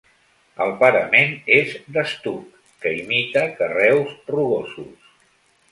El parament és d'estuc que imita carreus rugosos.